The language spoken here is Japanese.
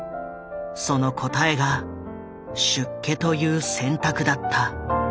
その答えが出家という選択だった。